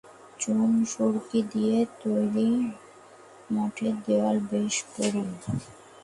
চুন-সুরকি দিয়ে তৈরি মঠের দেয়াল বেশ পুরু।